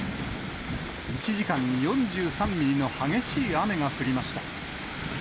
１時間に４３ミリの激しい雨が降りました。